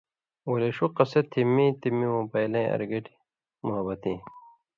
ولے ݜُو قَصہ تھی مِیں تے مِیں موبائلَیں ارگٹیۡ موحبتیں،